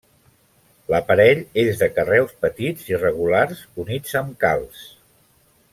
L'aparell és de carreus petits i regulars units amb calç.